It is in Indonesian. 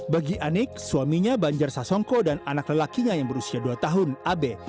bagi anik suaminya banjar sasongko dan anak lelakinya yang berusia dua tahun abe